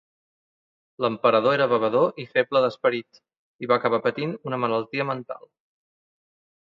L'emperador era bevedor i feble d'esperit, i va acabar patint una malaltia mental.